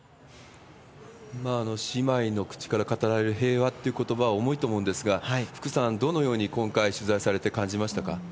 姉妹の口から語られる平和っていうことばは重いと思うんですが、福さん、どのように、今回、取材されて感じましたか？